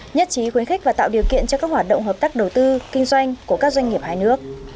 nhất trí khuyến khích và tạo điều kiện cho các hoạt động hợp tác đầu tư kinh doanh của các doanh nghiệp hai nước